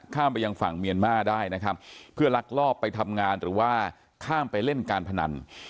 ข้ามไปยังฝั่งเมียนมาร์ได้นะครับเพื่อลักลอบไปทำงานหรือว่าข้ามไปเล่นการพนัน